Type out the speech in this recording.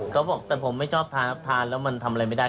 เขาบอกแต่ผมไม่ชอบทานแล้วมันทำอะไรไม่ได้